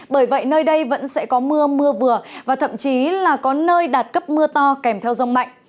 bởi vậy nơi đây vẫn sẽ có mưa mưa vừa và thậm chí là có nơi đạt cấp mưa to kèm theo rông mạnh